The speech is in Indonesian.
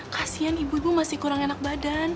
kasian ibu ibu masih kurang enak badan